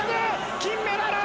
金メダル！